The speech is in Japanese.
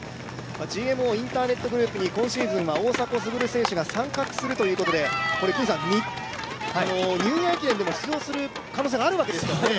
ＧＭＯインターネットグループに今シーズンは大迫傑選手が参画するということで、ニューイヤー駅伝でも出場する可能性があるんですね。